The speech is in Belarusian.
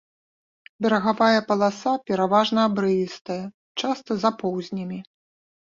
Берагавая паласа пераважна абрывістая, часта з апоўзнямі.